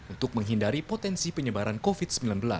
untuk menghindari potensi penyebaran covid sembilan belas